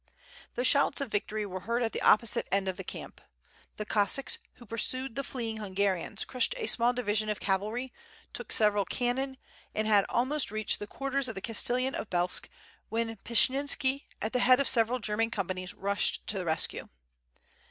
The shouts of vic tory were heard at the opposite end of the camp. The Cos sacks who pursued the fleeing Hungarians, crushed a small division of cavalry, took several cannon, and had almost reached the quarters of the Castellan of Belsk when Pshi yenski at the head of several German companies rushed to the rescue.